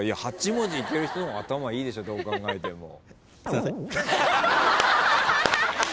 ８文字いける人の方が頭いいでしょどう考えても。